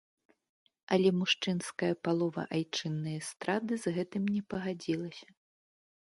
Але мужчынская палова айчыннай эстрады з гэтым не пагадзілася.